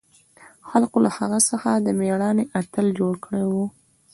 خلقو له هغه څخه د مېړانې اتل جوړ کړى و.